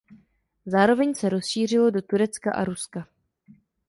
Zároveň se rozšířilo do Turecka a Ruska.